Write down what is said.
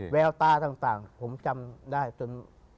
แววตาต่างผมจำได้จน